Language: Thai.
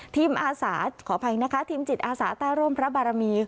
อาสาขออภัยนะคะทีมจิตอาสาใต้ร่มพระบารมี